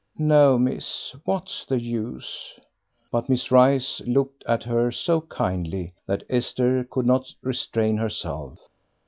"No, miss, what's the use?" But Miss Rice looked at her so kindly that Esther could not restrain herself.